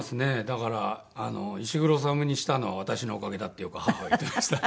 だから「石黒修にしたのは私のおかげだ」ってよく母は言ってました。